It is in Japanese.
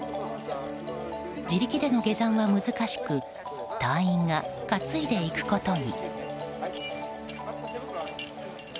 自力での下山は難しく隊員が担いでいくことに。